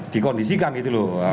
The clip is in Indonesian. dikondisikan gitu loh